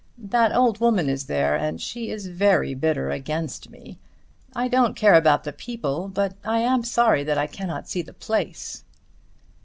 That old woman is there, and she is very bitter against me. I don't care about the people, but I am sorry that I cannot see the place."